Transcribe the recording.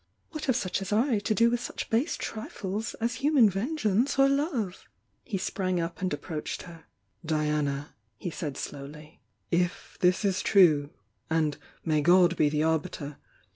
What have such as I to do with such base trifles aa human vengeance or love?" He irang up and approached her. "Diana," he said slowly— "If this is true,— and may God be the arbiter!